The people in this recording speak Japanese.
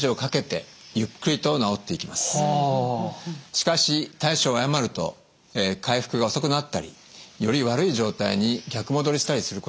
しかし対処を誤ると回復が遅くなったりより悪い状態に逆戻りしたりすることもあります。